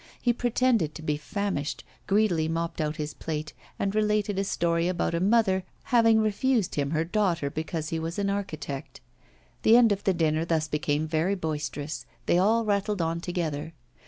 He pretended to be famished, greedily mopped out his plate, and related a story about a mother having refused him her daughter because he was an architect. The end of the dinner thus became very boisterous; they all rattled on together.